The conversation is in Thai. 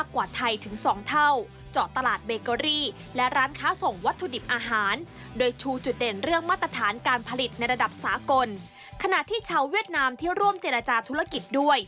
ขณะที่ชาวเวียดนามที่ร่วมเจรจาธุรกิจด้วย